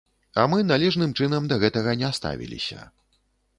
А мы належным чынам да гэтага не ставіліся.